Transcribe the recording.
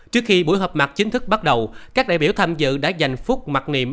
trước khi buổi hợp mặt chính thức bắt đầu các đại biểu tham dự đã dành phút mặt niệm